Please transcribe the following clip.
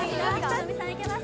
仁美さんいけますか？